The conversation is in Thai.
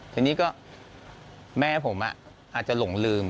ทีนี้ก็แม่ผมอาจจะหลงลืม